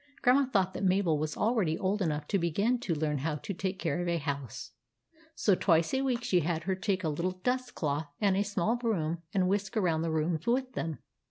Grandma thought that Mabel was already old enough to begin to learn how to take care of a house; so twice a week she had her take a little dust cloth and a small broom and whisk around the rooms with them.